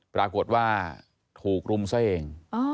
ปรากฏว่าถูกลุมเส้ง